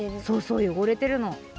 そうそうよごれてるの。